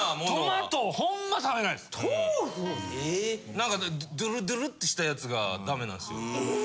・何かドゥルドゥルってしたやつがダメなんですよ。・え！